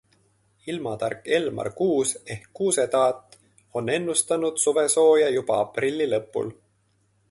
Ilmatark Elmar Kuus ehk Kuuse-taat on ennustanud suvesooja juba aprilli lõpul.